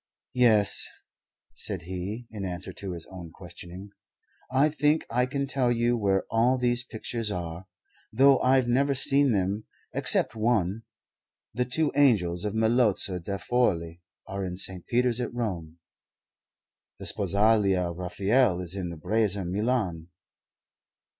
"Yes," said he in answer to his own questioning, "I think I can tell you where all these pictures are, though I've never seen them, except one. The two angels by Melozzo da Forli are in St. Peter's at Rome. The Sposalia of Raphael is in the Breza, Milan.